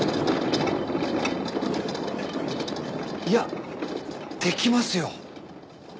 いやできますよ。